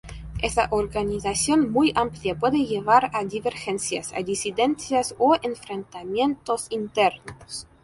Esa organización muy amplia puede llevar a divergencias, a disidencias o enfrentamientos internos.